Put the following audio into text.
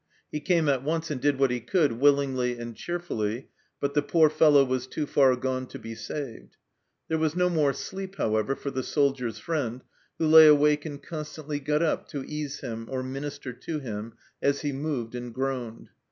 He came at once and did what he could willingly and cheerfully, but the poor fellow was too far gone to be saved. There was no more sleep, however, for the soldier's friend, who lay awake and constantly got up to ease him or minister to him as he moved and groaned.